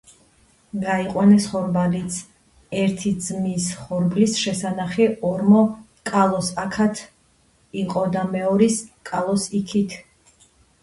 გაიყვეს ხორბალიც. ერთი ძმის ხორბლის შესანახი ორმო კალოს აქათ იყო და მეორის - კალოს იქით